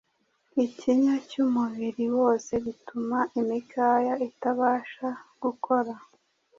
Ikinya cy’umubiri wose gituma imikaya itabasha gukora